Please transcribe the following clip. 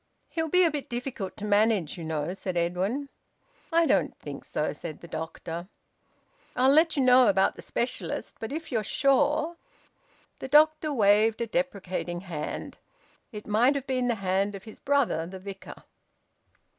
"He'll be a bit difficult to manage, you know," said Edwin. "I don't think so," said the doctor. "I'll let you know about the specialist. But if you're sure " The doctor waved a deprecating hand. It might have been the hand of his brother, the Vicar.